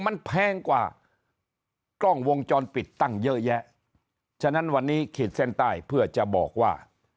มันแพงกว่ากล้องวงจรปิดตั้งเยอะแยะฉะนั้นวันนี้ขีดเส้นใต้เพื่อจะบอกว่า